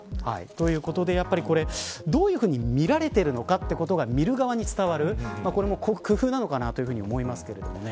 ということで、やっぱりこれどういうふうに見られているのかということが見る側に伝わるこれも工夫なのかなと思いますけどね。